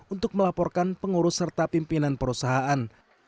untuk melaporkan pengurus serta pimpinan perusahaan